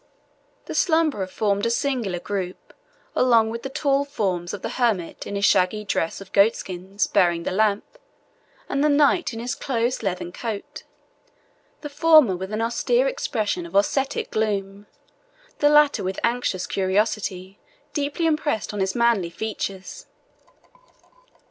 The slumberer formed a singular group along with the tall forms of the hermit in his shaggy dress of goat skins, bearing the lamp, and the knight in his close leathern coat the former with an austere expression of ascetic gloom, the latter with anxious curiosity deeply impressed on his manly features.